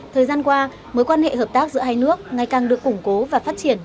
thời gian qua mối quan hệ hợp tác giữa hai nước ngày càng được củng cố và phát triển